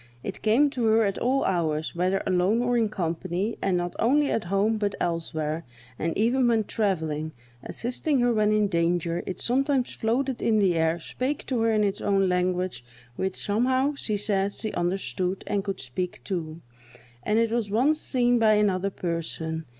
It came to her at all hours, whether alone or in company, and not only at home, but elsewhere, and even when travelling, assisting her when in danger; it sometimes floated in the air, spake to her in its own language, which somehow, she says, she understood, and could speak, too; and it was once seen by another person.